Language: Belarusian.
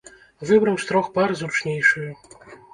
Выбраў з трох пар зручнейшую.